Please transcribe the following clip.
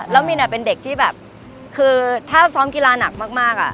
แล้วมินเป็นเด็กที่แบบคือถ้าซ้อมกีฬาหนักมาก